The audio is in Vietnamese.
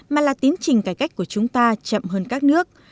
mà là tiến trình cải cách của chúng ta chậm hơn các nước